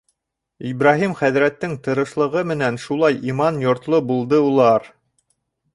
Ибраһим хәҙрәттең тырышлығы менән шулай иман йортло булды улар.